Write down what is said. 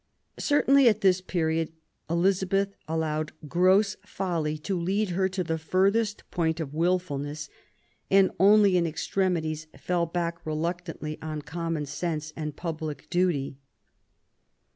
Certainly, at this period, Elizabeth allowed gross folly to lead her to the furthest point of wilfulness, and 73 QCEES ELIZABETH, only in extremities Ml back lelactantlv on common sense and pablic doty.